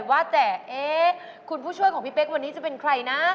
ว่าแต่เอ๊ะคุณผู้ช่วยของพี่เป๊กวันนี้จะเป็นใครนะ